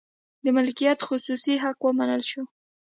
د مالکیت خصوصي حق ومنل شو.